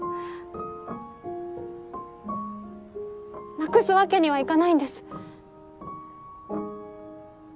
なくすわけにはいかないんです。